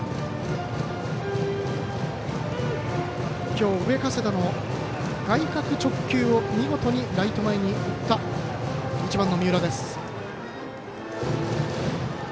今日上加世田の外角直球を見事にライト前に打った１番の三浦。